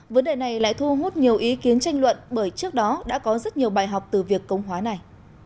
vấn đề này lại thu hút nhiều ý kiến tranh luận bởi trước đó đã có rất nhiều bài học từ việc công hóa này